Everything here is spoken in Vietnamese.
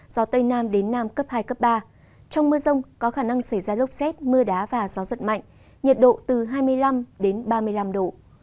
gió tây nam đến nam cấp hai cấp ba trong mưa rông có khả năng xảy ra lốc xét mưa đá và gió giật mạnh nhiệt độ từ hai mươi năm đến ba mươi năm độ